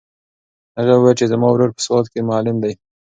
هغې وویل چې زما ورور په سوات کې معلم دی.